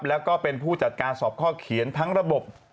แล้วก็เป็นผู้จัดการสอบข้อเขียนทั้งระบบ